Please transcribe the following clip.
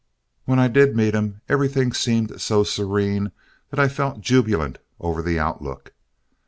When I did meet him, everything seemed so serene that I felt jubilant over the outlook.